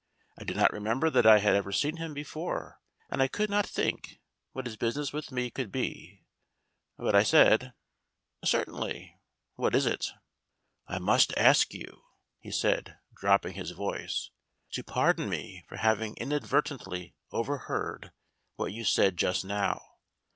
I did not remember that I had ever seen him before, and I could not think what his business with me could be, but I said, "Certainly. What is it?" "I must ask you" he said, dropping his voice, "to pardon me for having inadvertently overheard what you said just now.